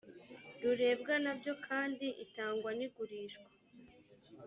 rurebwa na byo kandi itangwa n igurishwa